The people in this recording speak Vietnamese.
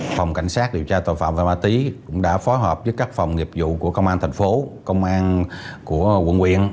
phòng cảnh sát điều tra tội phạm và ma túy cũng đã phó hợp với các phòng nghiệp vụ của công an tp công an của quận quyền